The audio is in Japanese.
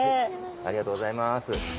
ありがとうございます。